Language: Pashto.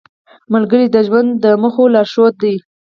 ملګری د ژوند د موخو لارښود دی